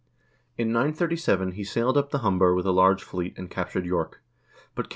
In 937 he sailed up the Humber with a large fleet, and captured York. But King